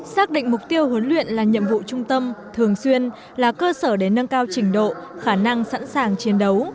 xác định mục tiêu huấn luyện là nhiệm vụ trung tâm thường xuyên là cơ sở để nâng cao trình độ khả năng sẵn sàng chiến đấu